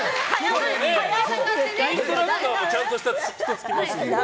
インストラクターもちゃんとした人がつきますし。